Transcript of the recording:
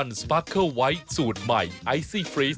เอาเดี๋ยวกลับมาครับ